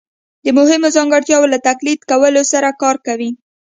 د مهمو ځانګړتیاوو له تقلید کولو سره کار کوي